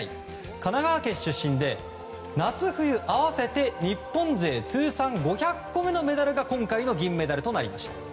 神奈川県出身で夏冬合わせて日本勢通算５００個目のメダルが今回のメダルとなりました。